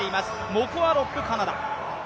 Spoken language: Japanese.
モコ・アロップ、カナダ。